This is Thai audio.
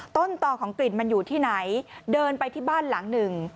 ต้นต่อของกลิ่นมันอยู่ที่ไหนเดินไปที่บ้านหลังหนึ่ง